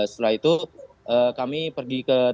setelah itu kami pergi ke